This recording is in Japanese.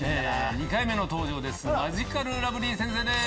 ２回目の登場です